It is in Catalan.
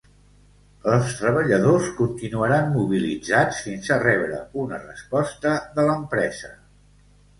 Els treballadors continuaran mobilitzats fins a rebre una resposta de l'empresa.